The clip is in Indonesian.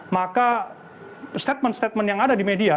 maka statement statement yang ada di media